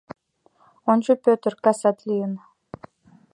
— Ончо, Пӧтыр, касат лийын.